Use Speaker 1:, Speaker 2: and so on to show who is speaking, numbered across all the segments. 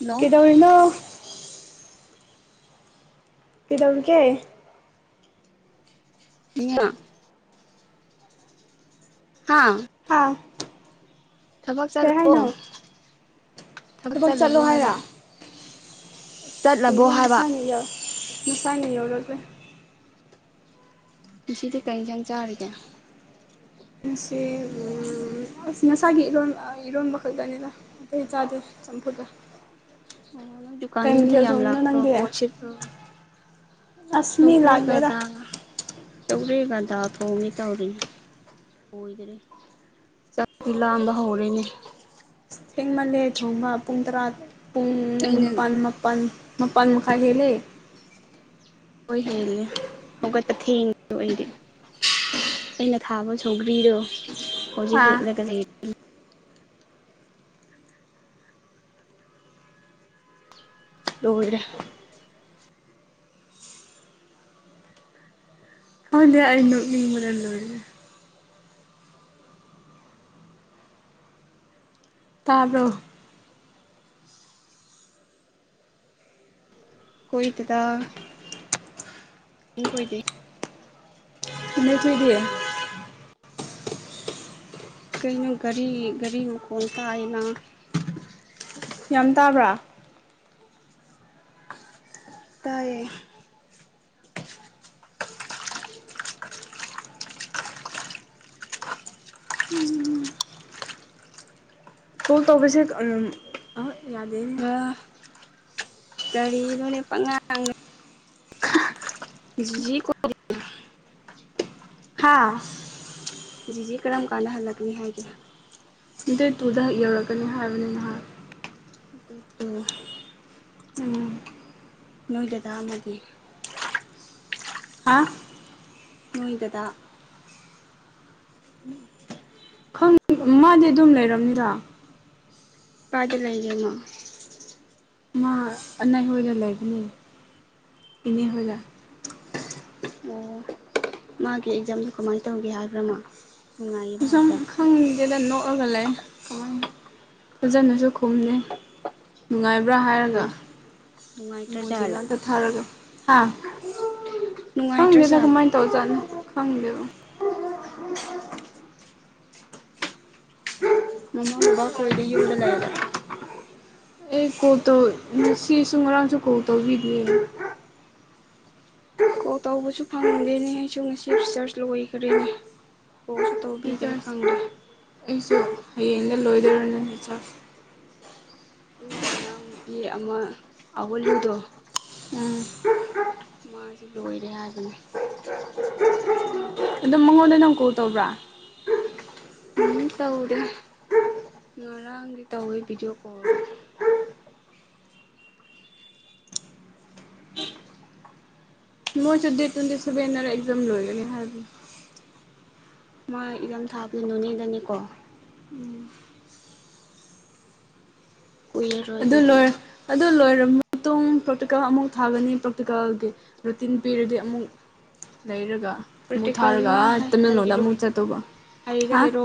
Speaker 1: hello
Speaker 2: ꯀꯗ ꯑꯣꯏꯅꯣ ꯀꯩꯗꯦꯔꯦꯒꯤ
Speaker 1: ꯏ [unintelligible] ꯍꯥꯥ
Speaker 2: ꯍꯥ
Speaker 1: ꯊꯕꯛ
Speaker 2: ꯀꯩ
Speaker 1: ꯆꯠꯂꯣ
Speaker 2: ꯍꯥꯏꯅꯣ
Speaker 1: ꯊꯕꯛ ꯆꯠꯂꯕꯣ ꯍꯥꯏꯕ
Speaker 2: ꯭
Speaker 1: ꯆꯠꯂꯕꯣ
Speaker 2: ꯀꯨꯒꯦ
Speaker 1: ꯍꯥꯏꯕ
Speaker 2: ꯃꯁꯥꯅ ꯃꯁꯥꯅ ꯌꯧꯔꯒꯦ
Speaker 1: ꯄꯨꯁꯤꯗꯤ ꯀꯔꯤ ꯌꯦꯟꯖꯥꯡ ꯆꯥꯔꯤꯒꯦ
Speaker 2: ꯑ ꯉꯁꯥꯒꯤ ꯏꯔꯣꯟ ꯏꯤꯔꯣꯟꯝ ꯃꯈꯈꯜꯗꯅꯤꯂ ꯑꯩ ꯆꯥꯖꯔ ꯆꯞ ꯗꯨꯠꯂꯥ
Speaker 1: ꯑꯣ ꯅꯪ ꯗꯨꯀꯥꯟꯗꯤ ꯃꯤ ꯌꯥꯝ ꯂꯥꯛꯄ꯭ꯔꯣ
Speaker 2: ꯅꯪꯗꯤ
Speaker 1: ꯄꯣꯠ ꯁꯤꯄ꯭ꯔꯣ
Speaker 2: ꯑꯁ ꯃꯤ
Speaker 1: ꯁꯧꯒ꯭ꯔꯤ
Speaker 2: ꯂꯥꯛꯇꯦꯗ
Speaker 1: ꯀꯗꯥ ꯁꯧꯒ꯭ꯔꯤ ꯗꯥ ꯊꯣꯡꯉꯤ ꯇꯧꯔꯤꯉ ꯗꯦ ꯆꯥꯛꯄꯤ ꯂꯥꯡꯥꯟꯕ ꯍꯧꯔꯦꯅꯦ
Speaker 2: ꯊꯦꯡꯃꯜꯂꯦ ꯊꯣꯡꯕ ꯄꯨꯡ ꯇꯔꯥ ꯄꯨꯡ
Speaker 1: ꯑꯩꯅ
Speaker 2: ꯅꯤꯄꯥꯜ ꯃꯥꯄꯜ ꯃꯄꯥꯟꯃꯈꯥ ꯍꯂ
Speaker 1: ꯍꯗꯤ ꯍꯧꯒ ꯇ ꯊꯦꯡ ꯑꯣꯏꯗꯤ ꯑꯩꯅ ꯊꯥꯕ ꯁꯧꯒ꯭ꯔꯤꯗꯣ ꯍꯧꯖꯤꯛ
Speaker 2: ꯑꯥ
Speaker 1: ꯍꯦꯛꯂꯒ ꯂꯩ ꯂꯣꯏꯔꯦ
Speaker 2: ꯍꯗꯤ ꯏꯅ ꯃꯤ ꯃꯣꯔ ꯂꯣꯏꯦ ꯇꯔꯣ
Speaker 1: ꯀꯣꯏꯗꯥ ꯀꯣꯏꯗ
Speaker 2: ꯄꯨꯟꯅ ꯊꯏꯗꯤꯌꯦ
Speaker 1: ꯀꯩꯅꯣ ꯒꯥꯔꯤ ꯒꯥꯔꯤ ꯃꯈꯣꯟꯜ ꯇꯥꯏꯅ
Speaker 2: ꯌꯥꯝ ꯇꯥꯕ꯭ꯔꯥ
Speaker 1: ꯇꯥꯏꯌꯦ
Speaker 2: ꯇꯣꯜ ꯇꯧꯕꯁꯦ ꯑ ꯌꯥꯗꯦꯅꯦ
Speaker 1: ꯉꯔꯥꯡ ꯀꯔꯤꯅꯣꯅꯦ ꯄꯉꯥꯡꯅꯦ ꯀ
Speaker 2: ꯍꯥꯥ
Speaker 1: ꯀꯔꯝ ꯀꯥꯟꯍꯜꯂꯛꯅꯤ ꯍꯥꯏꯒ
Speaker 2: ꯗꯦ ꯇꯨꯗ ꯍ ꯌꯧꯔꯛꯀꯅꯤ ꯍꯥꯏꯕꯅꯤ ꯅꯍꯥꯛ
Speaker 1: ꯑꯗꯨꯗꯣ
Speaker 2: ꯎꯝ
Speaker 1: ꯅꯣꯏ ꯂꯗꯥ ꯑꯃꯒꯤꯒꯦ
Speaker 2: ꯑꯥ
Speaker 1: ꯅꯣꯏꯗꯗ
Speaker 2: ꯃꯥꯗꯤ ꯑꯗꯨꯝ ꯂꯩꯔꯕꯝꯅꯤꯗ
Speaker 1: ꯄꯥꯗ ꯂꯩꯒꯃ
Speaker 2: ꯅ ꯍꯔ ꯂꯩꯒꯅꯤ ꯏꯅꯦ ꯍꯗ
Speaker 1: ꯑꯣ ꯃꯥꯒꯤ ꯑꯦꯛꯖꯥꯝꯗꯣ ꯀꯃꯥꯏꯅ ꯇꯧꯒꯦ ꯍꯥꯏꯕ꯭ꯔꯃꯣ
Speaker 2: ꯁꯨꯝ ꯈꯪꯒꯦꯗ ꯅꯣꯛꯑꯒ ꯂꯩ ꯀꯃꯥꯏ ꯐꯖꯅꯁꯨ ꯈꯨꯝꯅꯤ ꯅꯨꯡꯉꯥꯏꯕ ꯭ꯔꯥ ꯍꯥꯏꯔꯒ
Speaker 1: ꯅꯨꯡꯉꯥꯏ
Speaker 2: ꯃ ꯃꯣꯏꯁꯦ
Speaker 1: ꯅꯨꯡꯉꯥꯏꯇ꯭ꯔꯖꯥꯠꯂꯥ
Speaker 2: ꯉꯥꯛꯇ ꯊꯥꯔꯒ ꯍꯥꯥ ꯈꯪꯗꯦꯗ
Speaker 1: ꯅꯨꯡꯉꯥꯏꯇ꯭ꯔꯖꯥꯠꯂꯥ
Speaker 2: ꯀꯃꯥꯏꯅ ꯇꯧꯖꯠꯅꯣ ꯈꯪꯗꯦꯕ
Speaker 1: ꯅꯅ ꯍꯕ ꯀꯣꯏꯂ ꯎ ꯂꯩꯔ
Speaker 2: ꯑꯦ ꯀꯧꯇꯧ ꯁꯤ ꯁ ꯃꯔꯔꯥꯡꯁꯨ ꯀꯣ ꯇꯧꯕꯤꯗ
Speaker 1: ꯀꯣ ꯇꯧꯕꯁꯨ ꯐꯪꯗꯦꯅꯦ ꯑꯩꯁꯨ ꯉꯁꯤ ꯔꯤꯆꯥꯔꯖ ꯂꯣꯏꯈ꯭ꯔꯦꯅꯦ ꯀꯣꯜꯁꯨ
Speaker 2: ꯆ
Speaker 1: ꯇꯧꯕꯤꯗ꯭ꯔꯦ ꯈꯪꯗꯦ
Speaker 2: ꯑꯩꯁꯨ ꯍꯌꯦꯡ ꯂꯣꯏꯗꯔꯅꯤ ꯆ
Speaker 1: ꯑꯗꯨꯒ ꯅꯅꯥꯎ ꯅꯨꯄꯤ ꯑꯃ ꯑꯋꯂꯗꯣ
Speaker 2: ꯎꯝ
Speaker 1: ꯃꯥꯖꯨ ꯂꯣꯏꯔꯦ ꯍꯥꯏꯕꯅꯦ
Speaker 2: ꯑꯗꯣ ꯃꯉꯣꯟꯗ ꯅꯪ ꯀꯣꯜ ꯇꯧꯕ꯭ꯔꯥ
Speaker 1: ꯎꯃ ꯇꯧꯗꯦ ꯉꯔꯥꯡꯗꯤ ꯇꯧꯋꯤ ꯚꯤꯗꯤꯑꯣ ꯀꯣꯜ
Speaker 2: ꯃꯣꯏꯁꯨ ꯗꯦꯠ ꯇꯣꯏꯟꯇꯤꯁꯕꯦꯟꯅꯔ ꯑꯦꯛꯖꯥꯝ ꯂꯣꯏꯒꯅꯤ ꯍꯥꯏꯕꯅꯤ
Speaker 1: ꯃꯥ ꯑꯦꯛꯖꯥꯝ ꯊꯥꯕꯗꯣ ꯅꯣꯅꯦꯗꯅꯤꯀꯣ ꯀꯨꯏꯔꯔꯣꯏ
Speaker 2: ꯑꯗꯨ
Speaker 1: ꯑꯗꯨꯗꯤ
Speaker 2: ꯂꯣꯏꯔ ꯑꯗꯨ ꯂꯣꯏꯔꯝꯃ ꯃꯇꯨꯡ ꯄ꯭ꯔꯥꯛꯇꯤꯀꯜ ꯑꯃꯨꯛ ꯊꯥꯒꯅꯤ ꯄ꯭ꯔꯥꯛꯇꯤꯀꯜꯒꯤ ꯔꯨꯇꯤꯟ ꯄꯤꯔꯗꯤ ꯑꯃꯨꯛ ꯂꯩꯔꯒ ꯑꯃꯨꯛ
Speaker 1: ꯄ꯭ꯔꯥꯛꯇꯤꯀꯜꯗꯤ
Speaker 2: ꯊꯥꯔꯒ
Speaker 1: ꯃꯥ ꯍꯩ
Speaker 2: ꯇꯃꯦꯡꯂꯣꯡꯗ ꯑꯃꯨꯛ
Speaker 1: ꯍꯩꯔꯣꯏ
Speaker 2: ꯆꯠꯇꯧꯕ ꯍꯥ
Speaker 1: ꯍꯩꯒꯗꯔꯣ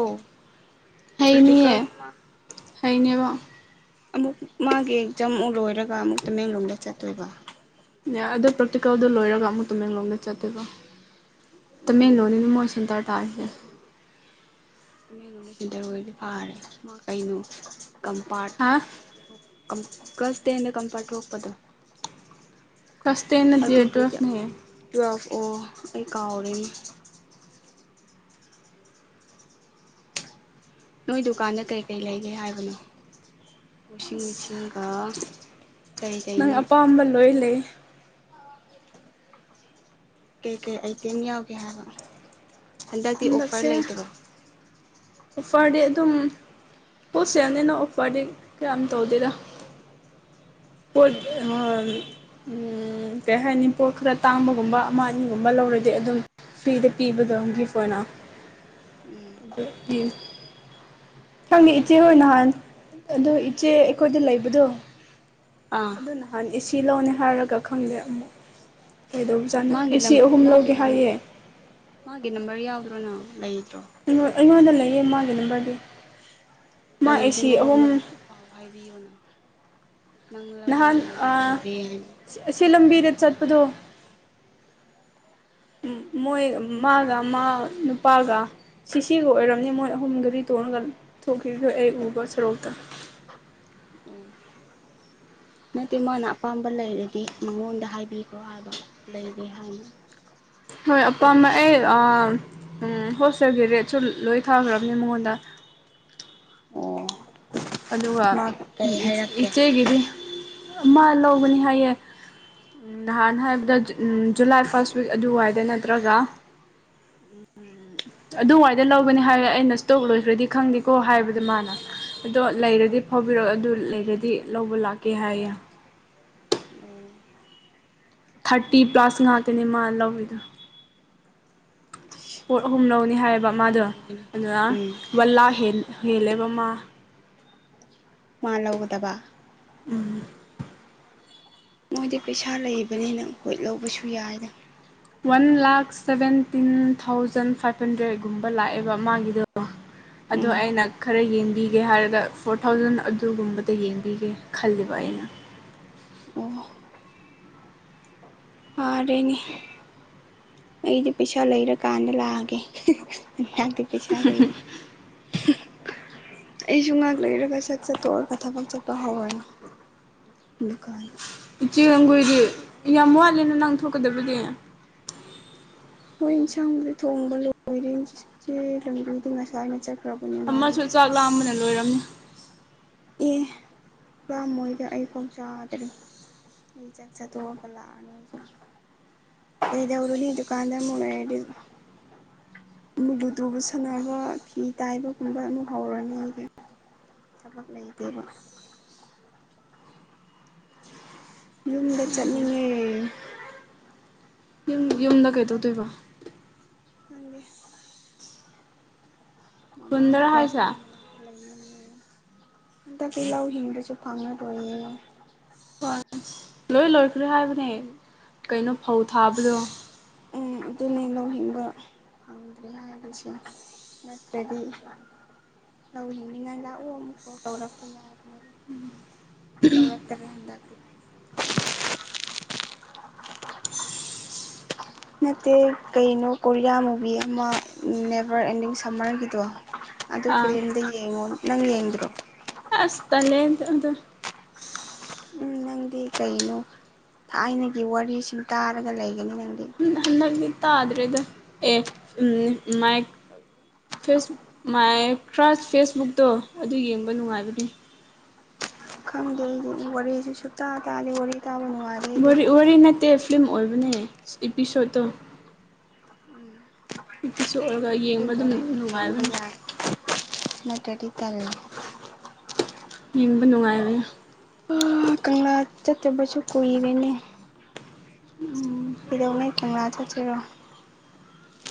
Speaker 2: ꯍꯩꯅꯤꯌꯦ
Speaker 1: ꯄ꯭ꯔꯥꯛꯇꯤꯀꯜꯗꯤ ꯃꯥ
Speaker 2: ꯍꯩꯅꯦꯕ
Speaker 1: ꯑꯃꯨꯛ ꯃꯥꯒꯤ ꯑꯦꯛꯖꯥꯝ ꯃꯨꯛ ꯂꯣꯏꯔꯒ ꯑꯃꯨꯛ ꯇꯃꯦꯡꯂꯣꯡꯗ ꯆꯠꯇꯣꯏꯕ
Speaker 2: ꯌꯥ ꯑꯗꯣ ꯄ꯭ꯔꯥꯛꯇꯤꯀꯜꯗꯣ ꯂꯣꯏꯔꯒ ꯑꯃꯨꯛ ꯇꯃꯦꯡꯂꯣꯡꯗ ꯆꯠꯇꯣꯏꯕ ꯇꯃꯦꯡꯂꯣꯡꯗꯅꯤ ꯃꯣꯏ ꯁꯦꯟꯇꯔ ꯇꯥꯔꯤꯁꯦ
Speaker 1: ꯇꯃꯦꯡꯂꯣꯡꯗ ꯁꯦꯟꯇꯔ ꯑꯣꯏꯔꯗꯤ ꯐꯥꯔꯦ ꯃꯥ ꯀꯩꯅꯣ ꯀꯝꯄꯥꯔꯠ
Speaker 2: ꯍꯥ
Speaker 1: ꯀꯝ ꯀ꯭ꯂꯥꯁ ꯇꯦꯟꯗ ꯀꯝꯄꯥꯔꯠ ꯊꯣꯛꯄꯗꯣ
Speaker 2: ꯀ꯭ꯂꯥꯁ ꯇꯦꯟ ꯅꯠꯇꯤꯌꯦ
Speaker 1: ꯑꯗꯨꯒꯩꯒꯤ
Speaker 2: ꯇꯨꯋꯦꯜꯐꯅꯦ
Speaker 1: ꯇ꯭ꯨꯋꯦꯜꯐ ꯑꯣ ꯑꯩ ꯀꯥꯎꯔꯦꯅꯦ ꯅꯣꯏ ꯗꯨꯀꯥꯟꯗ ꯀꯩ ꯀꯩ ꯂꯩꯒꯦ ꯍꯥꯏꯕꯅꯣ ꯋꯥꯁꯤꯡ ꯃꯦꯆꯤꯟꯒ ꯀꯩ
Speaker 2: ꯅꯪ
Speaker 1: ꯀꯩꯅꯣ
Speaker 2: ꯑꯄꯥꯝꯕ ꯂꯣꯏ ꯂꯩ
Speaker 1: ꯀꯩ ꯀꯩ ꯑꯥꯏꯇꯦꯝ ꯌꯥꯎꯒꯦ ꯍꯥꯏꯕ ꯍꯟꯗꯛꯇꯤ
Speaker 2: ꯍꯟꯗꯛꯁꯦ
Speaker 1: ꯑꯣꯐꯔ ꯂꯩꯇꯔꯣ
Speaker 2: ꯑꯣꯐꯔꯗꯤ ꯑꯗꯨꯝ ꯍꯣꯜꯁꯦꯜꯅꯤꯅ ꯑꯣꯐꯔꯗꯤ ꯀꯌꯥꯝ ꯇꯧꯗꯦꯗꯥ ꯄꯣꯠ
Speaker 1: ꯍꯣꯜꯁꯦꯜꯗ
Speaker 2: ꯎꯝ
Speaker 1: ꯄꯤꯔꯗꯤ ꯐꯔꯦ
Speaker 2: ꯀꯩ ꯍꯥꯏꯅꯤ ꯄꯣꯠ ꯈꯔ ꯇꯥꯡꯕꯒꯨꯝꯕ ꯑꯃ ꯑꯅꯤꯒꯨꯝꯕ ꯂꯧꯔꯗꯤ ꯑꯗꯨꯝ ꯐ꯭ꯔꯤꯗ ꯄꯤꯕꯗꯣ ꯒꯤꯐ ꯑꯣꯏꯅ
Speaker 1: ꯎꯝ
Speaker 2: ꯑꯗꯨ ꯄꯤꯌꯦ ꯈꯪꯉꯦ ꯏꯆꯦ ꯍꯣꯏ ꯅꯍꯥꯟ ꯑꯗꯣ ꯏꯆꯦ ꯑꯩꯈꯣꯏꯗ ꯂꯩꯕꯗꯣ
Speaker 1: ꯑꯥ
Speaker 2: ꯑꯗꯨ ꯅꯍꯥꯟ ꯑꯦꯁꯤ ꯂꯧꯅꯤ ꯍꯥꯏꯔꯒ ꯈꯪꯗꯦ ꯑꯃꯨꯛ ꯀꯩꯗꯧꯕꯖꯥꯠꯅꯣ
Speaker 1: ꯃꯥꯒꯤ ꯅꯝ
Speaker 2: ꯑꯦꯁꯤ ꯑꯍꯨꯝ ꯂꯧꯒꯦ ꯍꯥꯏꯌꯦ
Speaker 1: ꯐꯔ ꯌꯥꯎꯗ꯭ꯔꯣ ꯅꯪ ꯂꯩꯗ꯭ꯔꯣ
Speaker 2: ꯑꯩꯉꯣꯟꯗ ꯂꯩꯌꯦ ꯃꯥꯒꯤ ꯅꯝꯕꯔꯗꯤ ꯃꯥ
Speaker 1: ꯂꯩꯔꯗꯤ
Speaker 2: ꯑꯦꯁꯤ ꯑꯍꯨꯝ
Speaker 1: ꯃꯉꯣꯟꯗ ꯄꯥꯎ ꯍꯥꯏꯕꯤꯌꯨꯅ
Speaker 2: ꯅꯍꯥꯟ ꯑ
Speaker 1: ꯂꯩꯔꯦ ꯍꯥꯏꯅ
Speaker 2: ꯁꯤ ꯑꯁꯤ ꯂꯝꯕꯤꯗ ꯆꯠꯄꯗꯣ
Speaker 1: [inaudible]
Speaker 2: ꯎꯝ ꯃꯣꯏ ꯃꯥꯒ ꯃꯥ ꯅꯨꯄꯥꯒ ꯁꯤꯁꯤꯒ ꯑꯣꯏꯔꯝꯅꯤ ꯃꯣꯏ ꯑꯍꯨꯝꯒꯔꯤ ꯇꯣꯡ ꯉꯒ ꯊꯣꯛꯈꯤꯕꯗꯣ ꯑꯩ ꯎꯕ ꯁꯔꯣꯛꯇ
Speaker 1: [unintelligible] ꯂꯧꯁꯤꯟꯕ ꯉꯝꯗꯕ ꯅꯠꯇꯦ ꯃꯥꯅ ꯑꯄꯥꯝꯕ ꯂꯩꯔꯗꯤ ꯃꯉꯣꯟꯗ ꯍꯥꯏꯕꯤꯈ꯭ꯔꯣ ꯍꯥꯏꯕ ꯂꯩꯔꯦ ꯍꯥꯏꯅ ꯂꯧꯁꯤꯟꯕ ꯉꯝꯗꯕ
Speaker 2: ꯍꯣꯏ ꯑꯄꯥꯝꯕ ꯑꯩ ꯑꯥ ꯎꯝ ꯍꯣꯜꯁꯦꯜꯒꯤ ꯔꯦꯠꯁꯨ ꯂꯣꯏ ꯊꯥꯈ꯭ꯔꯕꯅꯦ ꯃꯉꯣꯟꯗ
Speaker 1: [inaudible]
Speaker 2: ꯑꯗꯨꯒ ꯎꯝ
Speaker 1: ꯃꯥ
Speaker 2: ꯏ
Speaker 1: ꯀꯩ ꯍꯥꯏꯔꯛꯀꯦ
Speaker 2: ꯏꯆꯦꯒꯤꯗꯤ ꯃꯥ ꯂꯧꯕꯅꯤ ꯍꯥꯏꯌꯦ ꯎꯝ ꯅꯍꯥꯟ ꯍꯥꯏꯕꯗ ꯖꯨ ꯖꯨꯂꯥꯏ ꯐꯥꯔꯁ ꯋꯤꯛ ꯑꯗꯨꯋꯥꯏꯗ ꯅꯠꯇ꯭ꯔꯒ
Speaker 1: [unintelligible]
Speaker 2: ꯑꯗꯨꯋꯥꯏꯗ ꯂꯧꯒꯅꯤ ꯍꯥꯏ ꯑꯩꯅ ꯏꯁꯇꯣꯛ ꯂꯣꯏꯈ꯭ꯔꯗꯤ ꯈꯪꯗꯦꯀꯣ ꯍꯥꯏꯕꯗ ꯃꯥꯅ ꯑꯗꯣ ꯂꯩꯔꯗꯤ ꯐꯥꯎꯕꯤꯔꯛꯑꯣ ꯑꯗꯨ ꯂꯩꯔꯗꯤ ꯂꯧꯕ ꯂꯥꯛꯀꯦ ꯍꯥꯏꯌꯦ
Speaker 1: ꯑꯣ
Speaker 2: ꯊꯥꯔꯇꯤ ꯄ꯭ꯂꯁ ꯉꯥꯛꯇꯅꯦ ꯃꯥ ꯂꯧꯋꯤꯗꯣ ꯄꯣꯠ ꯑꯍꯨꯝ ꯂꯧꯅꯤ ꯍꯥꯏꯌꯦꯕ
Speaker 1: ꯌꯥꯝ
Speaker 2: ꯃꯥꯗꯣ
Speaker 1: ꯅꯩꯕꯅꯦ
Speaker 2: ꯑꯗꯨꯅ
Speaker 1: ꯎꯝ
Speaker 2: ꯋꯥꯟ ꯂꯥꯛ ꯍꯦꯜ ꯍꯦꯜꯂꯦꯕ ꯃꯥ
Speaker 1: ꯃꯥ ꯂꯧ ꯎꯗꯕ
Speaker 2: ꯎꯝ
Speaker 1: ꯃꯣꯏꯗꯤ ꯄꯩꯁꯥ ꯂꯩꯕꯅꯤꯅ ꯍꯣꯏꯠ ꯂꯧꯕꯁꯨ ꯌꯥꯏꯗ
Speaker 2: one lakh seventeen thousand five ꯍꯟꯗ꯭ꯔꯦꯠꯀꯨꯝꯕ ꯂꯥꯛꯑꯦꯕ ꯃꯥꯒꯤꯗ ꯑꯗꯣ
Speaker 1: ꯎꯝ
Speaker 2: ꯑꯩꯅ ꯈꯔ ꯌꯦꯡꯕꯤꯒꯦ ꯍꯥꯏꯔꯒ ꯐꯣꯔ ꯊꯥꯎꯖꯟ ꯑꯗꯨꯒꯨꯝꯕꯗ ꯌꯦꯡꯕꯤꯒꯦ ꯈꯜꯂꯤꯕ ꯇꯥꯏꯅ
Speaker 1: ꯑꯣ ꯐꯥꯔꯦꯅꯦ ꯑꯩꯗꯤ ꯄꯩꯁꯥ ꯂꯩꯔꯀꯥꯟꯗ ꯂꯥꯛꯑꯒꯦ ꯇ ꯄꯗ ꯑꯩꯁꯨ ꯉꯥꯏꯍꯥꯛ ꯂꯩꯔꯒ ꯁꯛ ꯆꯠꯇꯣ ꯑꯣꯔ ꯀꯊꯐꯝꯪ ꯆꯠꯄ ꯍꯧꯔꯅ ꯀ
Speaker 2: ꯆꯦꯡ ꯂꯝꯒꯨꯏꯗꯤ ꯌꯥꯝ ꯋꯥꯠꯂꯦꯅ ꯅꯪ ꯊꯣꯛꯀꯗꯕꯗꯤ
Speaker 1: ꯍꯣꯏ ꯏꯟꯁꯥꯡꯗꯤ ꯊꯣꯡꯕ ꯂꯣꯏꯔꯦ ꯏꯆꯦ ꯂꯝꯕꯤꯗꯤ ꯉꯁꯥꯏꯅ ꯆꯠꯄ
Speaker 2: ꯑꯃꯁꯨ ꯆꯥꯛ ꯂꯥꯝꯕꯅ ꯂꯣꯏꯔꯝꯅꯤ
Speaker 1: ꯑꯦ ꯄꯥ ꯃꯣꯏꯗ ꯑꯩ ꯐꯧ ꯆꯥꯗ꯭ꯔꯔꯤ ꯏ ꯆꯁ ꯇ ꯀꯂ ꯀꯩ ꯗꯎꯔꯅꯤ ꯀꯥꯟꯗ ꯃꯡꯂ ꯍꯥꯏ ꯂꯨ ꯇꯨꯕ ꯁꯥꯟꯅꯕ ꯐꯤ ꯇꯥꯏꯕꯒꯨꯝꯕ ꯑꯗꯨꯝ ꯍꯧꯔꯅꯤ ꯑꯩꯗꯤ ꯆꯃ ꯂꯩꯗꯦꯕ ꯌꯨꯝꯗ ꯆꯠꯅꯤꯡꯉꯤ
Speaker 2: ꯌꯨꯝ ꯌꯨꯝꯗ ꯀꯩꯗꯧꯗꯣꯏꯕ
Speaker 1: ꯅꯪꯦ ꯃꯃꯥ
Speaker 2: ꯈꯨꯟꯗꯔ
Speaker 1: ꯕꯥ
Speaker 2: ꯍꯥꯏꯁꯦ
Speaker 1: ꯍꯅꯥ ꯄ ꯂꯩꯅ ꯍꯟꯗꯗꯤ ꯌꯥꯎꯁꯤꯡꯤꯡꯕꯁꯨ ꯐꯪꯉꯔꯣꯏꯌꯦ
Speaker 2: ꯍꯣꯏ ꯂꯣꯏ ꯂꯣꯏꯈ꯭ꯔꯦ ꯍꯥꯏꯕꯅꯦ ꯀꯩꯅꯣ ꯐꯧ ꯊꯥꯕꯗꯣ
Speaker 1: ꯎꯝ ꯑꯗꯨꯅꯦ ꯂꯧ ꯍꯤꯡꯕ ꯐꯪꯗ꯭ꯔꯦ ꯍꯥꯏꯔꯤꯁꯦ ꯅꯠꯇ꯭ꯔꯗꯤ ꯂꯧꯏꯅꯤꯅ ꯂꯥꯛꯑꯣ ꯑꯃꯨꯛꯐꯥꯎ ꯇꯧꯔꯛꯄ ꯌꯥꯔ ꯇꯧꯛꯇꯕ ꯍꯦ ꯑ ꯅꯠꯇꯦ ꯀꯩꯅꯣ ꯀꯣꯔꯤꯌꯥ ꯃꯨꯚꯤ ꯑꯃ ꯅꯦꯕꯔ ꯑꯦꯟꯗꯤꯡ ꯁꯝꯃꯔꯒꯤꯗꯣ ꯑꯗꯨꯗ
Speaker 2: ꯑꯥ
Speaker 1: ꯐꯤꯂꯤꯂꯝꯗ ꯌꯦꯡꯉꯣ ꯅꯪ ꯌꯦꯡꯟꯣ
Speaker 2: ꯑꯁꯇ ꯂꯩꯦ ꯑꯗꯨꯗ
Speaker 1: ꯎꯝ ꯅꯪꯗꯤ ꯀꯩꯅꯣ ꯊꯥꯏꯅꯒꯤ ꯋꯥꯔꯤꯁꯤꯡ ꯇꯥꯔꯒ ꯂꯩꯒꯅꯤ ꯅꯪꯗꯤ
Speaker 2: ꯒꯤ ꯇꯥꯗ꯭ꯔꯦꯗ ꯑꯦ ꯎꯝ ꯃꯥꯏ ꯐꯁ ꯃꯥꯏ ꯀ꯭ꯔꯥꯁ ꯐꯦꯁꯕꯨꯛꯇꯣ ꯑꯗꯨ ꯌꯦꯡꯕ ꯅꯨꯡꯉꯥꯏꯕꯅꯤ
Speaker 1: ꯋꯥꯔꯤꯦ ꯁꯇ ꯇ ꯑꯅꯤ ꯋꯥꯔꯤ ꯇꯥꯕ ꯅꯨꯡꯉꯥꯏꯔꯦ ꯑꯩꯗꯤ
Speaker 2: ꯋꯥꯔꯤ ꯅꯠꯇꯦ ꯐꯤꯂꯝ ꯑꯣꯏꯕꯅꯦ ꯏꯄꯤꯁꯣꯠꯇꯣ
Speaker 1: ꯎꯝ
Speaker 2: ꯏꯄꯤꯁꯣꯠ ꯑꯣꯏꯔꯒ
Speaker 1: ꯑꯗꯨꯝ
Speaker 2: ꯌꯦꯡꯕ
Speaker 1: ꯑꯣꯏꯗꯤ ꯌꯦꯡꯕ
Speaker 2: ꯅꯨꯡꯉꯥꯏꯕꯅꯦ
Speaker 1: ꯌꯥꯏ ꯅ ꯇꯗꯤ ꯇꯔꯦ
Speaker 2: ꯍꯕꯅꯅꯨꯡꯉꯕ
Speaker 1: ꯑ ꯀꯪꯂꯥ ꯆꯠꯇꯕꯁꯨ ꯀꯨꯏꯔꯦꯅꯦ ꯏꯗ ꯎꯅ ꯀ ꯆꯆꯔꯣ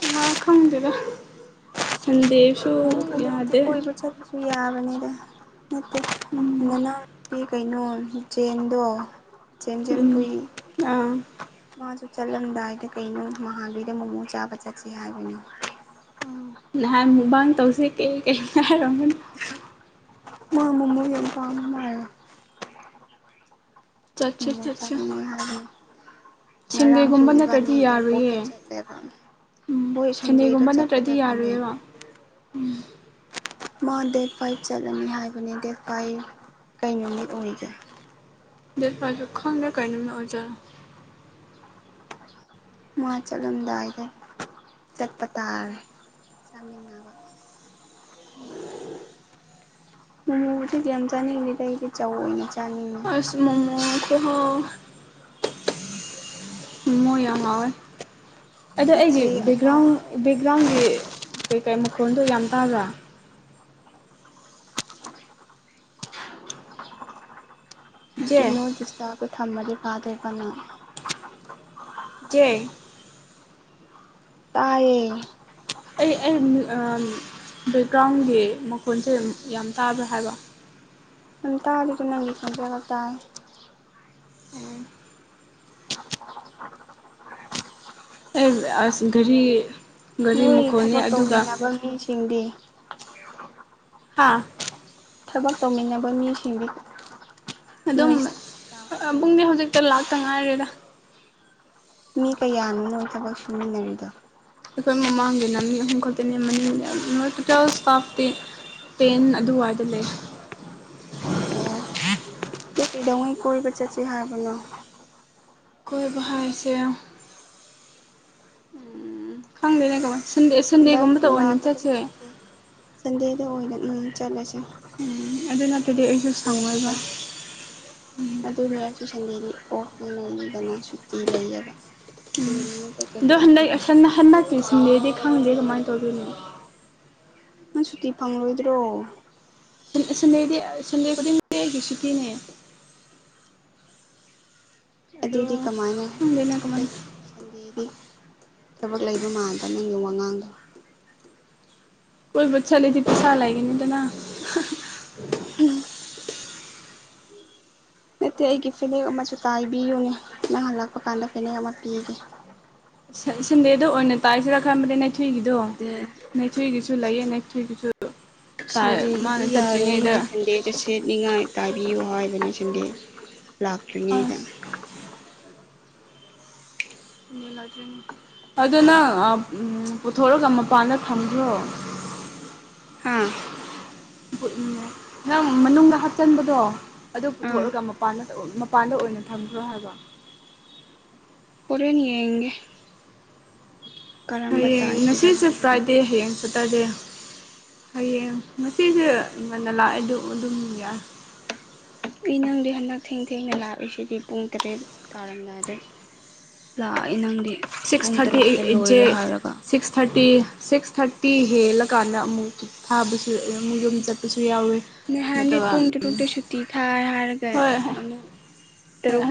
Speaker 2: ꯉꯥ ꯈꯪꯗꯦꯕ ꯁꯟꯗꯦꯁꯨ
Speaker 1: ꯅꯣꯡ ꯐꯥꯗꯣꯛꯇꯤ
Speaker 2: ꯌꯥꯗꯦ
Speaker 1: ꯀꯣꯏꯕ ꯆꯠꯄꯁꯨ ꯌꯥꯕꯅꯤꯗ ꯅꯠꯇꯦ ꯅꯅꯥꯎꯄꯤ ꯀꯩꯅꯣ ꯖꯦꯟꯗꯣ ꯆꯦꯟꯖꯦꯟ
Speaker 2: ꯎꯝ
Speaker 1: ꯄꯨꯏ
Speaker 2: ꯑꯥ
Speaker 1: ꯃꯥꯁꯨ ꯆꯠꯂꯝꯗꯥꯏꯗ ꯀꯩꯅꯣ ꯃꯍꯥꯕꯤꯗ ꯃꯣꯃꯨ ꯆꯥꯕ ꯆꯠꯁꯦ ꯍꯥꯏꯕꯅꯦ
Speaker 2: ꯅ ꯃꯨꯕꯥꯥꯡ ꯇꯧꯁꯦ ꯀ ꯀꯔ
Speaker 1: ꯃꯥ ꯃꯃꯃꯣ ꯌꯥꯝ ꯀꯝꯅ
Speaker 2: ꯆꯠꯁꯦ
Speaker 1: ꯎꯝ ꯆ
Speaker 2: ꯆꯠꯁꯦ
Speaker 1: ꯍꯥꯏ ꯉꯔꯥꯡꯁꯨ
Speaker 2: ꯁꯟꯗꯦꯒꯨꯝꯕ
Speaker 1: ꯏꯕꯅꯤ
Speaker 2: ꯅꯠꯇ꯭ꯔꯗꯤ ꯌꯥꯔꯣꯏꯌꯦ
Speaker 1: ꯑꯦꯌꯥꯔꯄꯣꯔꯠꯇꯠꯇ ꯆꯠꯂꯦꯕꯅꯤ
Speaker 2: ꯎꯝ
Speaker 1: ꯍꯣꯏ ꯁꯟꯗꯔ
Speaker 2: ꯁꯟꯗꯦꯒꯨꯝꯕ
Speaker 1: ꯆꯠ
Speaker 2: ꯅꯠꯇ꯭ꯔꯗꯤ
Speaker 1: ꯀꯗꯕꯅꯦ
Speaker 2: ꯌꯥꯔꯣꯏꯌꯦꯕ
Speaker 1: ꯃꯥ ꯗꯦꯠ ꯐꯥꯏꯚ ꯆꯠꯂꯅꯤ ꯍꯥꯏꯕꯅꯦ ꯗꯦꯠ ꯐꯥꯏꯚ ꯀꯩ ꯅꯨꯃꯤꯠ ꯑꯣꯏꯒꯦ
Speaker 2: ꯗꯦꯠ ꯄꯥꯖꯣꯛ ꯈꯗ ꯀꯥꯏꯩꯅꯝ ꯑꯣꯖꯥ
Speaker 1: ꯃꯥ ꯆꯂꯣꯝꯗꯥꯏꯗ ꯆꯠꯄꯇꯥꯔ ꯆꯥꯃꯤꯟꯅꯕ ꯃꯃꯕꯨꯗꯤꯗꯤ ꯌꯥꯝ ꯆꯥꯅꯤꯡꯗꯦꯗ ꯑꯩꯗꯤ ꯆꯥꯎꯏꯅꯦ ꯆꯥꯅꯤꯡꯉꯦ
Speaker 2: ꯍꯍꯣ ꯃꯣ ꯌꯥꯉ ꯑꯋꯥꯣꯏ ꯑꯗꯣ ꯑꯩꯒꯤ
Speaker 1: ꯏꯆꯦ ꯑꯃ
Speaker 2: ꯕꯦꯛꯒ꯭ꯔꯥꯎꯟ ꯕꯦꯛꯒ꯭ꯔꯥꯎꯟꯒꯤ ꯀꯩꯀꯩ ꯃꯈꯣꯜꯗꯣ ꯌꯥꯝ ꯇꯥꯕ꯭ꯔꯥ
Speaker 1: ꯑꯗꯨ
Speaker 2: ꯏꯆꯦ
Speaker 1: ꯅꯣ ꯗꯤꯁꯇꯥꯒ ꯊꯝꯃꯗꯤ ꯐꯥꯗꯦ ꯀꯅ
Speaker 2: ꯀꯦ
Speaker 1: ꯇꯥꯏꯌꯦꯦ
Speaker 2: ꯑꯩ ꯑ ꯑ ꯕꯦꯛꯒ꯭ꯔꯥꯎꯟꯒꯤ ꯃꯈꯣꯟꯁꯦ ꯌꯥꯝ ꯇꯥꯕ꯭ꯔꯥ ꯍꯥꯏꯕ
Speaker 1: ꯑ ꯇꯔꯗꯨꯅꯕꯤ ꯈꯖꯦꯗ [unintelligible]
Speaker 2: ꯑꯦ ꯑꯁ ꯔꯤ
Speaker 1: ꯃꯣꯏ ꯊꯕꯛ ꯇꯧꯃꯤꯟꯅꯕ ꯃꯤꯁꯤꯡꯗꯤ
Speaker 2: ꯍꯥꯥ
Speaker 1: ꯊꯕꯛ ꯇꯧꯃꯤꯟꯅꯕ ꯃꯤꯁꯤꯡꯗꯤ
Speaker 2: ꯑꯗꯨꯝ
Speaker 1: ꯅꯣꯏ ꯏꯁꯇꯥꯐꯁꯤꯡꯗꯣ
Speaker 2: ꯄꯨꯡꯗꯤ ꯍꯧꯖꯤꯛꯇ ꯂꯥꯛꯇ ꯉꯥꯏꯔꯦꯗ
Speaker 1: ꯃꯤ ꯀꯌꯥꯅꯣꯅꯣ ꯊꯕꯛ ꯁꯨꯃꯤꯟꯅꯔꯤꯗꯣ
Speaker 2: ꯑꯩꯈꯣꯏ ꯃꯃꯥꯡꯒꯤꯅ ꯃꯤ ꯑꯍꯨꯝ ꯈꯛꯇꯅꯦ ꯃꯒꯤꯅꯦ ꯇꯇꯦꯜ ꯏꯁꯇꯥꯐꯇꯤ ꯄꯦꯟ ꯑꯗꯨꯋꯥꯏꯗ ꯂꯩ
Speaker 1: ꯑꯣꯝ ꯀꯩꯗꯧꯉꯩ ꯀꯣꯏꯕ ꯆꯠꯁꯤꯦ ꯍꯥꯏꯕꯅꯣ
Speaker 2: ꯀꯣꯏꯕ ꯍꯥꯏ ꯏꯁꯦ ꯎ ꯈꯪꯗ ꯂꯩꯀ
Speaker 1: ꯗ ꯀ ꯂꯥꯗꯗꯦꯗ ꯆꯂ
Speaker 2: ꯎꯝ ꯑꯗꯨ ꯅꯠꯇ꯭ꯔꯗꯤ ꯑꯩꯁꯨ ꯁꯪꯉꯣꯏꯕ
Speaker 1: ꯀ ꯑ ꯑꯗꯨꯅꯌꯥ ꯁꯟꯗꯦ ꯑꯣꯐ ꯂꯩꯗꯅ ꯁꯨꯇꯤ ꯂꯩꯌꯦꯕ ꯁꯟꯗꯦ ꯅꯨꯃꯤꯠ ꯆꯠꯇ꯭ꯔꯗꯤ
Speaker 2: ꯑꯗꯣ
Speaker 1: ꯑꯩꯁꯨ
Speaker 2: ꯍꯟꯗꯛ ꯑꯁꯅ
Speaker 1: ꯎꯄꯥꯏ ꯂꯩꯇꯦ
Speaker 2: ꯍꯟꯗꯛꯀꯤꯁꯤꯟꯗꯦꯗꯤ ꯈꯪꯗꯦ ꯀꯃꯥꯏꯅ ꯇꯧꯗꯣꯏꯅꯣ
Speaker 1: ꯅꯪ ꯁꯨꯇꯤ ꯐꯪꯂꯣꯏꯗ꯭ꯔꯣ
Speaker 2: ꯁꯟ ꯁꯟꯗꯦꯗꯤ ꯁꯟꯗꯦ ꯈꯨꯗꯤ ꯂꯩꯒ ꯁꯨꯇꯤꯅꯦ ꯑꯗꯣ
Speaker 1: ꯑꯗꯨꯗꯤ ꯀꯃꯥꯏꯅꯣ
Speaker 2: ꯈꯪꯗꯦꯅ
Speaker 1: ꯍꯟꯗꯛ
Speaker 2: ꯀꯃꯥꯏꯅ
Speaker 1: ꯁꯟꯗꯤꯤꯗꯤ ꯊꯕꯛ ꯂꯩꯕ ꯃꯥꯟꯕ ꯅꯪꯒꯤ ꯋꯥꯉꯥꯡꯗꯣ
Speaker 2: ꯀꯣꯏꯕꯨ ꯆ ꯂꯩꯦꯗꯤ ꯄꯁꯥ ꯂꯥꯏꯒꯅꯤꯗꯅꯥ
Speaker 1: ꯎꯝ ꯅꯠꯇꯦ ꯑꯩꯒꯤ ꯐꯤꯅꯦꯛ ꯑꯃꯁꯨ ꯇꯥꯏꯕꯤꯌꯨꯅꯦ ꯅꯪ ꯍꯜꯂꯛꯄ ꯀꯥꯟꯗ ꯐꯦꯅꯦꯛ ꯑꯃ ꯄꯤꯒꯦ
Speaker 2: ꯁꯗꯦꯗꯣ ꯑꯣ ꯅ ꯇꯖꯔ ꯈꯅ ꯩꯊꯣꯏꯒꯤꯗꯣ
Speaker 1: ꯑꯗꯨꯗꯤ
Speaker 2: ꯅꯩꯊꯣꯏꯒꯤꯁꯨ ꯂꯩꯌꯦ ꯅꯊꯣꯏꯒꯤꯁꯨ
Speaker 1: ꯁꯟꯗꯦꯗꯗꯤ ꯌꯥꯔꯣꯏꯅꯦ ꯁꯟꯗꯦꯗ ꯁꯦꯠꯅꯤꯡꯉꯥꯏ ꯇꯥꯏꯕꯤꯌꯨ ꯍꯥꯏꯕꯅꯦ ꯁꯤꯡꯗꯤ ꯂꯥꯛꯇ꯭ꯔꯤꯅꯤ ꯍꯥꯏꯗ
Speaker 2: ꯑꯁ ꯑꯗꯨ ꯅꯪ ꯄꯨꯊꯣꯔꯒ ꯃꯄꯥꯟꯗ ꯐꯝꯈ꯭ꯔꯣ
Speaker 1: ꯍꯥꯥ
Speaker 2: ꯅꯪ ꯃꯅꯨꯡꯗ ꯍꯥꯞꯆꯤꯟꯕꯗꯣ ꯑꯗꯨ
Speaker 1: ꯑꯥ
Speaker 2: ꯄꯨꯊꯣꯛꯂꯒ ꯃ ꯃꯄꯥꯟꯗ ꯑꯣꯏꯅ ꯊꯝꯈ꯭ꯔꯣ ꯍꯥꯏꯕ
Speaker 1: ꯄꯔꯅꯤꯒꯦ
Speaker 2: ꯍꯌꯦꯡ ꯉꯁꯤꯁꯦ
Speaker 1: ꯍꯥꯏꯕꯗꯣ
Speaker 2: ꯐ꯭ꯔꯥꯏꯗꯦ ꯍꯌꯦꯡ ꯁꯦꯇꯔꯗꯦ ꯍꯌꯦꯡ ꯉꯆꯦꯁ ꯏ ꯉꯗ ꯂꯥ ꯑꯗꯨ ꯑꯗꯨꯝ ꯑꯗꯨ ꯑꯗꯨꯝꯒ
Speaker 1: ꯑꯩ ꯅꯪꯗꯤ ꯍꯟꯗꯛ ꯊꯦꯡ ꯊꯦꯡꯅ ꯂꯥꯛꯏꯁꯤꯗꯤ ꯄꯨꯡ ꯇꯔꯦꯠ ꯇꯥꯔꯝꯗꯥꯏ ꯑꯗꯨ ꯂꯥꯛꯏ ꯅꯪꯗꯤ
Speaker 2: ꯁꯤꯛꯁ
Speaker 1: ꯄꯨꯡ ꯇꯔꯨꯛꯇ
Speaker 2: ꯊꯥꯔꯇꯤꯖꯦ
Speaker 1: ꯂꯣꯏꯔꯦ ꯍꯥꯏꯔꯒ
Speaker 2: ꯁꯤꯛꯁ ꯊꯥꯔꯇꯤ ꯁꯤꯛꯁ ꯊꯥꯔꯇꯤ ꯍꯦꯜꯂꯀꯥꯟꯗ ꯑꯃꯨꯛ ꯊꯥꯕꯁꯨ ꯑꯃꯨꯛ ꯌꯨꯝ ꯆꯠꯄꯁꯨ ꯌꯥꯎꯋꯤ
Speaker 1: ꯅꯍꯥꯟꯗꯤ
Speaker 2: ꯅꯠꯇꯒ
Speaker 1: ꯄꯨꯡ ꯇꯔꯨꯛꯇ ꯁꯨꯇꯤ ꯊꯥꯏ ꯍꯥꯏꯔꯒ
Speaker 2: ꯍꯣꯏ
Speaker 1: ꯑꯃꯨꯛ ꯇꯔꯨꯛ